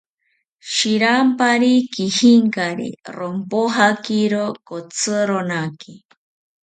Shirampari kijinkari, rompojakiro kotzironaki